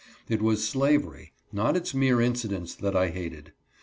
It wsi&slavery, not its mere incidents that I hated.